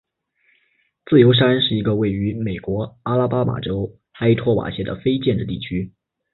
自由山是一个位于美国阿拉巴马州埃托瓦县的非建制地区。